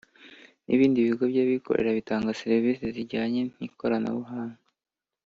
n’ibindi bigo by’abikorera bitanga serivisi zijyanye n’ikoranabuhanga